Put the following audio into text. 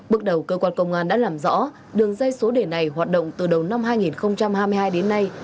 bước đầu cơ quan công an đã làm rõ đường dây số đề này hoạt động từ đầu năm hai nghìn hai mươi hai đến nay